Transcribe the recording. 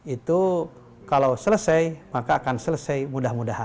itu kalau selesai maka akan selesai mudah mudahan